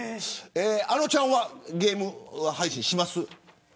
あのちゃんはゲーム配信しますか。